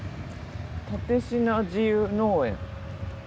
たてしな自由農園。